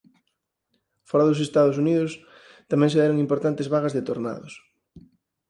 Fóra dos Estados Unidos tamén se deron importantes vagas de tornados.